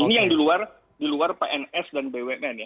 ini yang diluar pns dan bumn ya